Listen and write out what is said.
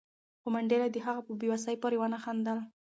خو منډېلا د هغه په بې وسۍ پورې ونه خندل.